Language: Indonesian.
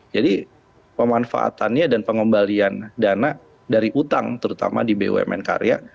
jadi pemanfaatannya dan pengembalian dana dari utang terutama di bumn karya